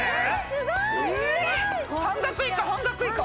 すごい！半額以下半額以下！